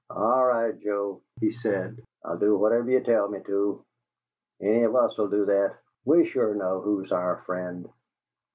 "All right, Joe," he said. "I'll do whatever you tell me to. Any of us 'll do that; we sure know who's our friend."